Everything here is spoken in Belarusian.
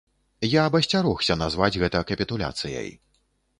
Я б асцярогся назваць гэта капітуляцыяй.